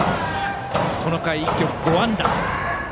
この回一挙５安打。